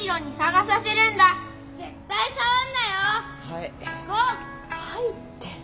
「はい」って。